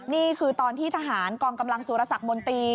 นี่คือตอนที่ทหารกองกำลังสุรสักมนตรี